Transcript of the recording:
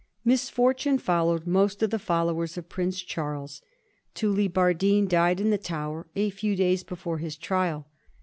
Misfortune followed most of the followers of Prince Charles. Tullibardine died in the Tower a few days before his trial.